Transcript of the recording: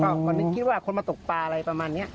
ก็นึกคิดว่าคนมาตกปลาอะไรประมาณนี้